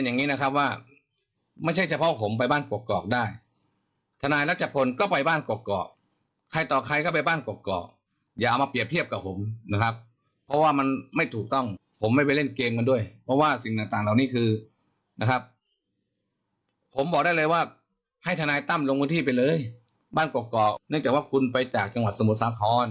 นายตั้มลงพื้นที่ไปเลยบ้านกกอกกอกเนื่องจากว่าคุณไปจากจังหวัดสมุทรสาขร